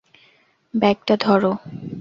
Bag টা ধরো।